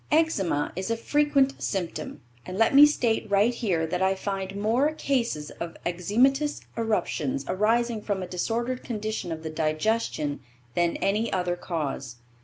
Eczema is a frequent symptom, and let me state right here that I find more cases of eczematous eruptions arising from a disordered condition of the digestion than any other cause.